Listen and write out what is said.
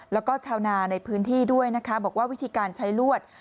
แล้วก็ชาวนาในพื้นที่ด้วยนะคะบอกว่าวิธีการใช้ลวด